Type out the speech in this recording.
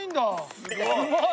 うまい！